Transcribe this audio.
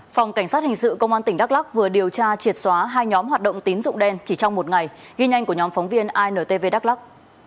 phòng cảnh sát hình sự công an tỉnh đắk lắc vừa điều tra triệt xóa hai nhóm hoạt động tín dụng đen chỉ trong một ngày ghi nhanh của nhóm phóng viên intv đắk lắc